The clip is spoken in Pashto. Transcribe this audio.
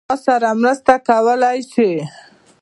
ما سره مرسته کولای شې؟